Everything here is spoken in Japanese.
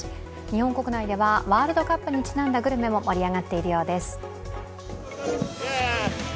日本国内ではワールドカップにちなんだグルメも盛り上がっているようです。